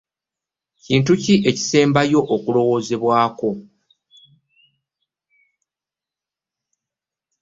Kintu ki ekisembayo okulowoozebwako?